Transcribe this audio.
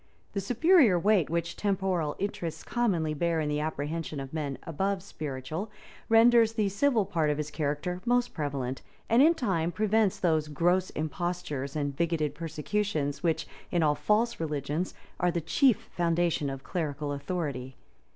The superior weight which temporal interests commonly bear in the apprehensions of men above spiritual, renders the civil part of his character most prevalent; and in time prevents those gross impostures and bigoted persecutions which, in all false religions, are the chief foundation of clerical authority.